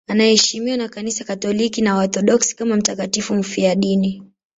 Anaheshimiwa na Kanisa Katoliki na Waorthodoksi kama mtakatifu mfiadini.